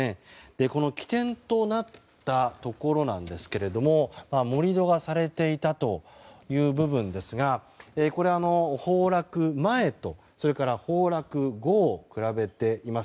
この起点となったところですが盛り土がされていたという部分ですがこれは崩落前と崩落後を比べています。